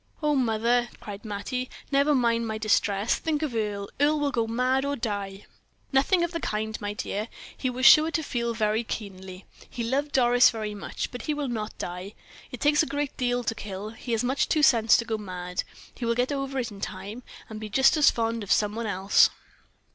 "Oh, mother!" cried Mattie, "never mind my distress, think of Earle. Earle will go mad or die." "Nothing of the kind, my dear. He was sure to feel very keenly. He loved Doris very much, but he will not die. It takes a great deal to kill. He has too much sense to go mad. He will get over it in time, and be just as fond of some one else."